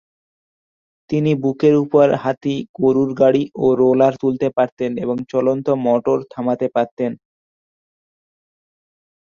তিনি বুকের উপর হাতি, গরুর গাড়ি ও রোলার তুলতে পারতেন এবং চলন্ত মটর থামাতে পারতেন।